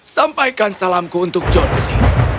sampaikan salamku untuk johnsy